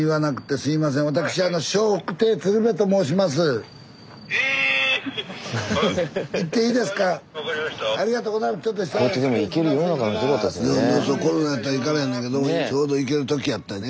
スタジオコロナやったら行かれへんねんけどちょうど行ける時やったね。